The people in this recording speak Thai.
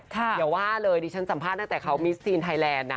อย่าว่าเลยดิฉันสัมภาษณ์ตั้งแต่เขามิสซีนไทยแลนด์